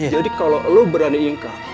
jadi kalau lo berani ingat